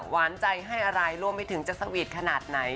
หวานใจให้อะไรรวมไปถึงจะสวีทขนาดไหน